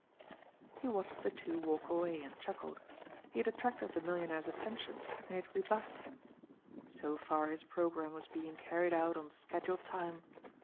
He watched the two walk away and chuckled. He had attracted the millionaire's attention and he had rebuffed him. So far his programme was being carried out on scheduled time.